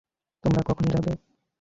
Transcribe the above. তোমরা কখন যাবে?